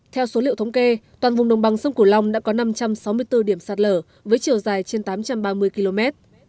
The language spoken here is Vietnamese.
theo số liệu thống kê toàn vùng đồng bằng sông cửu long đã có năm trăm sáu mươi bốn điểm sạt lở với chiều dài trên tám trăm ba mươi km